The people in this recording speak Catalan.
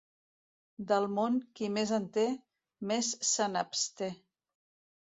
Del món, qui més en té, més se n'absté.